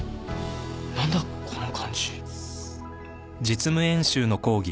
何だこの感じ。